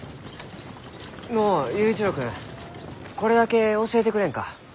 のう佑一郎君これだけ教えてくれんか？